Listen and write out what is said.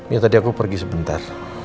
ya tadi aku pergi sebentar